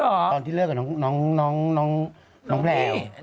ตอนที่เลิกกับน้องแพลว